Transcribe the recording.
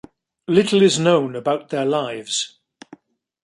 Little is known about their lives.